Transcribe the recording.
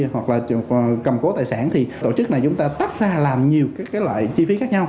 hoặc là cầm cố tài sản thì tổ chức này chúng ta tách ra làm nhiều các loại chi phí khác nhau